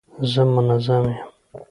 زه منظم یم.